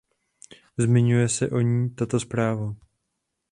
Zmiňuje se o ní i tato zpráva.